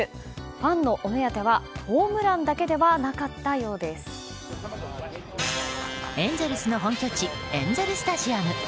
ファンのお目当てはホームランだけではエンゼルスの本拠地エンゼル・スタジアム。